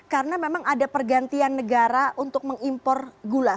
karena memang ada pergantian negara untuk mengimpor gula